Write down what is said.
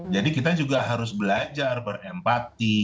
jadi kita juga harus belajar berempati